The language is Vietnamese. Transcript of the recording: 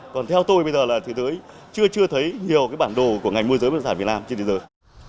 còn theo tôi bây giờ là thế giới chưa chưa thấy nhiều bản đồ của ngành môi giới bất sản việt nam trên thế giới